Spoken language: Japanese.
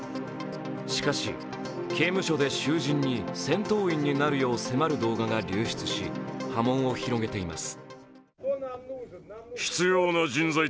しかし、刑務所囚人に戦闘員になるよう迫る動画が流出し、波紋を広げています。